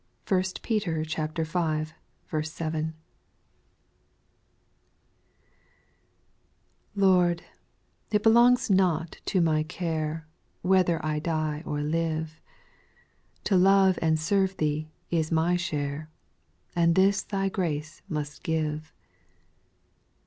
3, 1 Peter v. 7. 1. T ORD, it belongs not to my care, Jj Whether I die or live ; To love and serve Thee is my share. And this Thy grace must give.